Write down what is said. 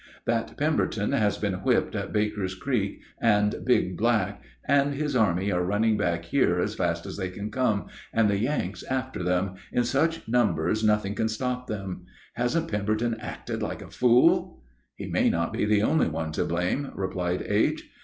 "That Pemberton has been whipped at Baker's Creek and Big Black, and his army are running back here as fast as they can come, and the Yanks after them, in such numbers nothing can stop them. Hasn't Pemberton acted like a fool?" "He may not be the only one to blame," replied H.